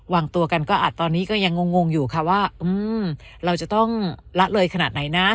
วางตัวกันก็อาจตอนนี้ก็ยังงงอยู่ค่ะว่าเราจะต้องละเลยขนาดไหนนะ